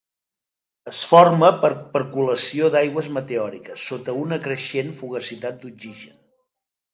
Es forma per percolació d'aigües meteòriques sota una creixent fugacitat d'oxigen.